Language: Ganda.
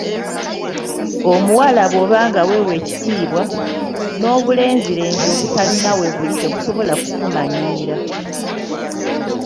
Omuwala bw'oba nga weewa ekitiibwa, n'obulenzilenzi obutalina bwe buli tebusola kukumanyiira.